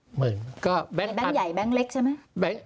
เหมือนก็แบงค์พันธุ์แบงค์ใหญ่แบงค์เล็กใช่ไหม